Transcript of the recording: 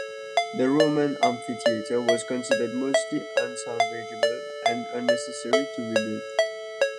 The Roman amphitheatre was considered mostly unsalvageable and unnecessary to rebuilt.